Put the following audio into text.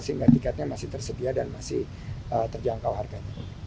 sehingga tiketnya masih tersedia dan masih terjangkau harganya